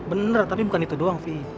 bener tapi bukan itu doang sih